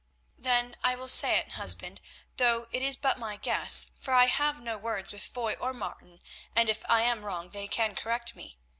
"Then I will say it, husband, though it is but my guess, for I have had no words with Foy or Martin, and if I am wrong they can correct me.